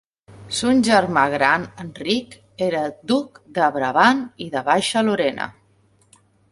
Son germà gran Enric era duc de Brabant i de Baixa Lorena.